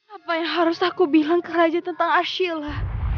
apa yang harus aku bilang ke raja tentang asyila